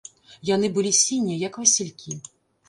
Яны былі сінія, як васількі.